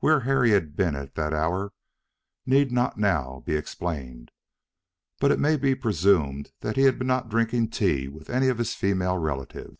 Where Harry had been at that hour need not now be explained, but it may be presumed that he had not been drinking tea with any of his female relatives.